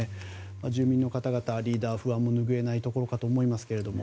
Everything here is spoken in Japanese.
住民の方々、リーダー不安もぬぐえないところかと思いますけれども。